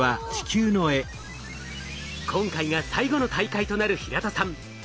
今回が最後の大会となる平田さん。